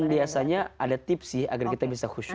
dan biasanya ada tips sih agar kita bisa khusyuk